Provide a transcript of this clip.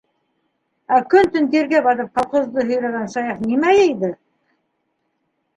Ә көн-төн тиргә батып колхозды һөйрәгән Саяф нимә йыйҙы?